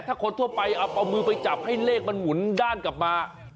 ถ้าคนทั่วไปเอามือไปจับให้เลขมันหมุนด้านกลับมา